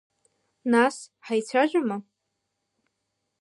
Нас, ҳаицәажәама?